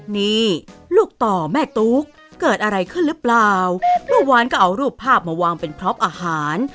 นี่ลูกต่อแม่ตุ๊กเกิดอะไรขึ้นหรือเปล่าเมื่อวานก็เอารูปภาพมาวางเป็นพร้อมอาหาร